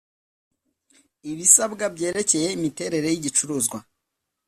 ibisabwa byerekeye imiterere y igicuruzwa